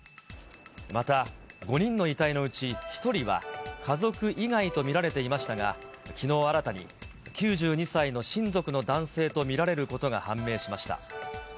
また、５人の遺体のうち１人は家族以外と見られていましたが、きのう新たに、９２歳の親族の男性と見られることが判明しました。